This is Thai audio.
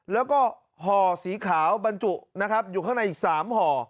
แล้วก็ห่อสีขาวบรรจุนะครับอยู่ข้างในอีก๓ห่อ